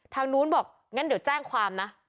ทางนู้นบอกงั้นเดี๋ยวแจ้งความนะ